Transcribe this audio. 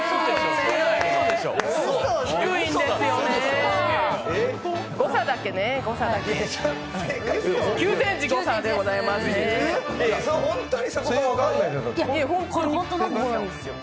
低いんですよね。